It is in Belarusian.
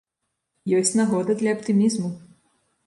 Ёсць нагода для аптымізму.